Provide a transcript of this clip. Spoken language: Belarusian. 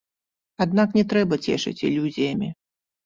Аднак не трэба цешыць ілюзіямі.